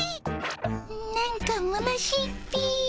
なんかむなしいっピィ。